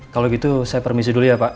kalau gitu saya permisi dulu ya pak